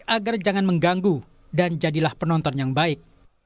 agar jangan mengganggu dan jadilah penonton yang baik